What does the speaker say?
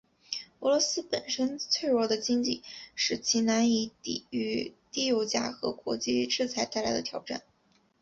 俄罗斯本身脆弱的经济使其难以抵御低油价和国际制裁带来的挑战。